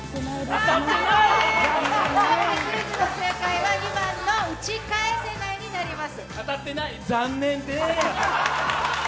クイズの正解は２番の打ち返せないになります。